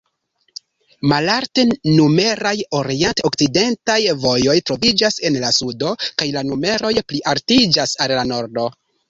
Malalt-numeraj orient-okcidentaj vojoj troviĝas en la sudo, kaj la numeroj plialtiĝas al la nordo.